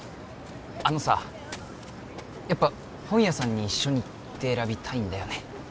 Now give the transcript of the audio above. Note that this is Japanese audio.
あのさやっぱ本屋さんに一緒に行って選びたいんだよね